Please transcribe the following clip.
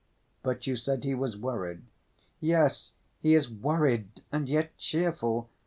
"But you said he was worried." "Yes, he is worried and yet cheerful.